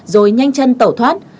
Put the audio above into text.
rồi nhanh chân tẩu thoát